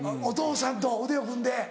お父さんと腕を組んで。